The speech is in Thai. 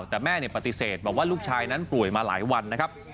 แต่แม่ปฏิเสธบอกว่าลูกชายนั้นป่วยมาหลายวันนะครับ